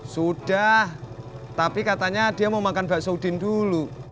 sudah tapi katanya dia mau makan bakso udin dulu